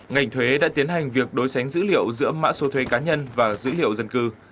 ngành thuế đã tiến hành việc đối sánh dữ liệu giữa mã số thuế cá nhân và dữ liệu dân cư